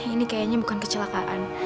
ini kayaknya bukan kecelakaan